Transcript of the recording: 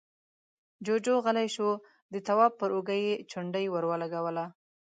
جُوجُو غلی شو، د تواب پر اوږه يې چونډۍ ور ولګوله: